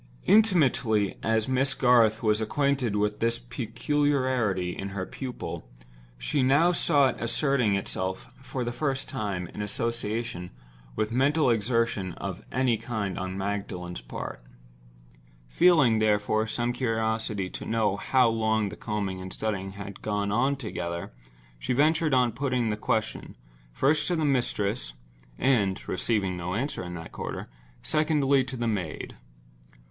Intimately as Miss Garth was acquainted with this peculiarity in her pupil, she now saw it asserting itself for the first time, in association with mental exertion of any kind on Magdalen's part. Feeling, therefore, some curiosity to know how long the combing and the studying had gone on together, she ventured on putting the question, first to the mistress; and (receiving no answer in that quarter) secondly to the maid.